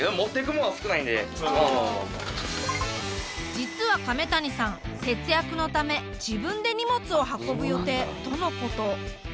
実は亀谷さん節約のため自分で荷物を運ぶ予定とのこと。